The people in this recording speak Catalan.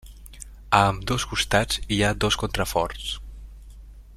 A ambdós costats hi ha dos contraforts.